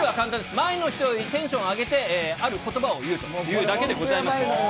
前の人よりテンションを上げて、あることばを言うと、言うだけでございます。